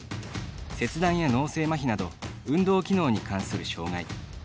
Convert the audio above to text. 切断や脳性まひなど運動機能に関する障がい。